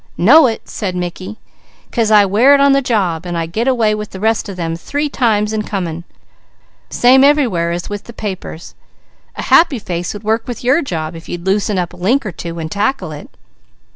"Know it!" said Mickey, "'cause I wear it on the job, and I get away with the rest of them three times and coming. Same everywhere as with the papers. A happy face would work with your job, if you'd loosen up a link or two, and tackle it.